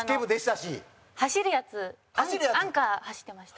走るやつアンカー走ってました。